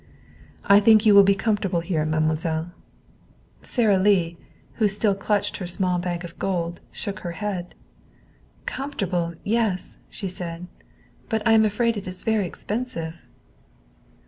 "I think you will be comfortable here, mademoiselle." Sara Lee, who still clutched her small bag of gold, shook her head. "Comfortable, yes," she said. "But I am afraid it is very expensive."